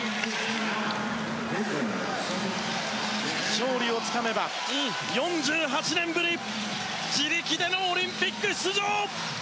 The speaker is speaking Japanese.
勝利をつかめば４８年ぶり自力でのオリンピック出場。